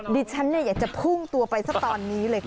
ดิฉันอยากจะพุ่งตัวไปซะตอนนี้เลยค่ะ